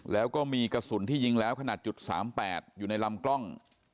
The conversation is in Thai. แล้วก็มีกระสุนที่ยิงแล้วขนาด๓๘อยู่ในลำกล้อง